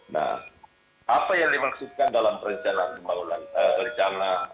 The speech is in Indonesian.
nah apa yang dimaksudkan dalam perencanaan kemaulan